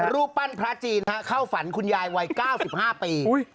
รูปปั้นพระจีนเข้าฝันคุณยายวัย๙๕ปี